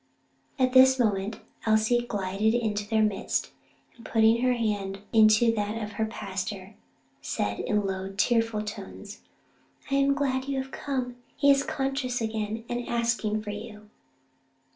'" At this moment Elsie glided into their midst, and putting her hand into that of her pastor, said in low, tearful tones, "I am so glad you have come! He is conscious again, and asking for you."